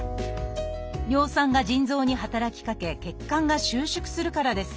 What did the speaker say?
尿酸が腎臓に働きかけ血管が収縮するからです。